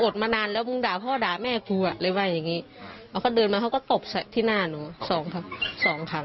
ออกมากลับมาชอบกระแตงอีกลูปกระแตยอีกคัน